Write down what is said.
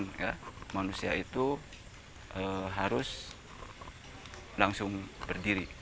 karena manusia itu harus langsung berdiri